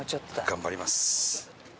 頑張ります。